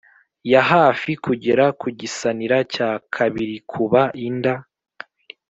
ya hafi kugera ku gisanira cya kabirikuba ind